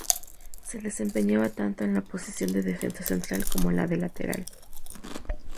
Se desempeñaba tanto en la posición de defensa central como en la de lateral.